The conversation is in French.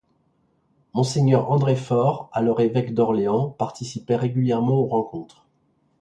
Monseigneur André Fort, alors évêque d'Orléans, participait régulièrement aux rencontres.